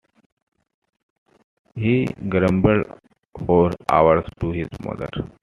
He grumbled for hours to his mother.